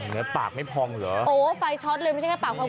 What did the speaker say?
เนื้อปากไม่พองเหรอโอ้โฮไฟช็อตเลยไม่ใช่แค่ปาก